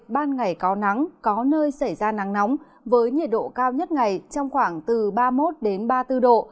ban ngày có nắng có nơi xảy ra nắng nóng với nhiệt độ cao nhất ngày trong khoảng từ ba mươi một ba mươi bốn độ